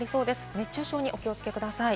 熱中症にお気をつけください。